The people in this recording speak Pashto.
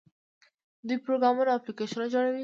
دوی پروګرامونه او اپلیکیشنونه جوړوي.